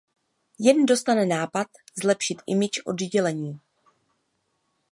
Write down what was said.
Jen dostane nápad zlepšit image oddělení.